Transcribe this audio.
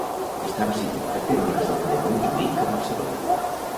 Estava situat en una zona de Montjuïc a Barcelona.